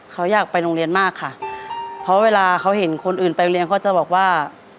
เขาอยากไปโรงเรียนมากค่ะเพราะเวลาเขาเห็นคนอื่นไปโรงเรียนเขาจะบอกว่า